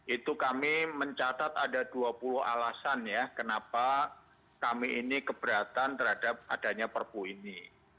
itu kami mencatat ada dua puluh alasan ya kenapa kami ini keberatan terhadap adanya perpu ini